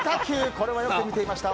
これはよく見ていました。